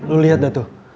lo liat dah tuh